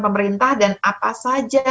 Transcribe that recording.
pemerintah dan apa saja